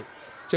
trở thành một nơi